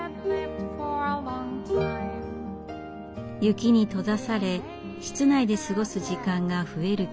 雪に閉ざされ室内で過ごす時間が増える季節。